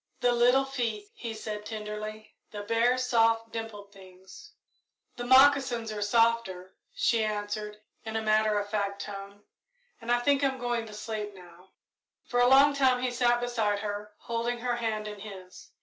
"The little feet," he said, tenderly; "the bare, soft, dimpled things!" "The moccasins are softer," she answered, in a matter of fact tone, "and I think I'm going to sleep now." For a long time he sat beside her, holding her hand in his.